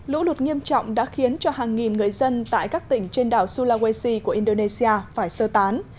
lũ lụt nghiêm trọng đã khiến cho hàng nghìn người dân tại các tỉnh trên đảo sulawesi của indonesia phải sơ tán